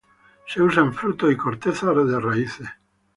Se usan frutos y corteza de raíces.